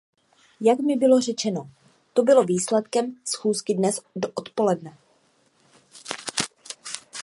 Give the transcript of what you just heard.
Jak mi bylo řečeno, to bylo výsledkem schůzky dnes odpoledne.